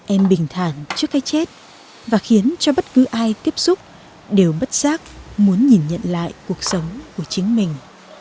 em bình thảng trước cái chết và khiến cho bất cứ ai tiếp xúc đều bất giác muốn nhìn nhận lại cuộc sống của chính mình